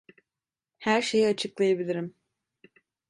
Her şeyi açıklayabilirim.